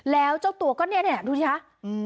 แล้วเจ้าตัวก็เนี้ยเนี้ยดูดิคะอืม